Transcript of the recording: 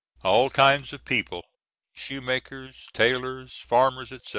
All kinds of people—shoemakers, tailors, farmers, etc.